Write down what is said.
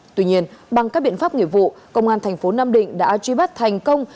tuy nhiên bằng các biện pháp nghiệp vụ công an thành phố nam định đã truy bắt thành công